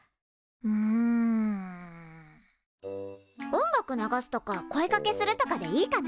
音楽流すとか声かけするとかでいいかな？